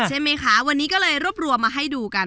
ใช่ไหมคะวันนี้ก็เลยรวบรวมมาให้ดูกัน